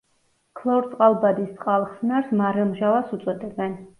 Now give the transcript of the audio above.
ქლორწყალბადის წყალხსნარს მარილმჟავას უწოდებენ.